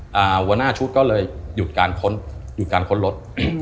หัวหน้าชุดก็เลยหยุดการค้นรถ